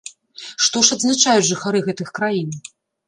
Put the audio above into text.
Што ж адзначаюць жыхары гэтых краін?